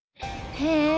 へえ！